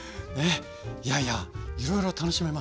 いやいやいろいろ楽しめますね。